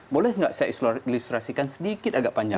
boleh nggak saya ilustrasikan sedikit agak panjang